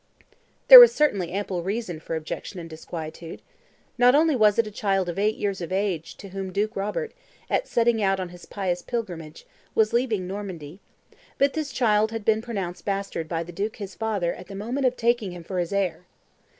There was certainly ample reason for objection and disquietude. Not only was it a child of eight years of age to whom Duke Robert, at setting out on his pious pilgrimage, was leaving Normandy; but this child had been pronounced bastard by the duke his father at the moment of taking him for his heir.